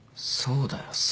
そうだよ。